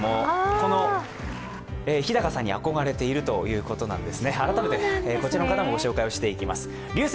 この日高さんに憧れているということなんです